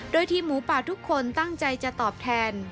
โดยทีมหมูป่าทุกคนตั้งใจจะตอบแทน